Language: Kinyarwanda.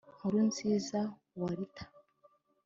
Nkurunziza Walter